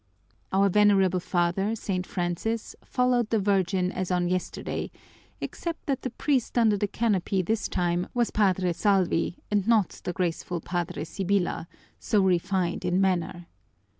Our venerable father, St. Francis, followed the Virgin as on yesterday, except that the priest under the canopy this time was Padre Salvi and not the graceful Padre Sibyla, so refined in manner.